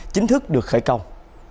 chính thức được khởi công